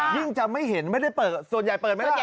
ยิ่งจะไม่เห็นไม่ได้เปิดส่วนใหญ่เปิดไหมล่ะ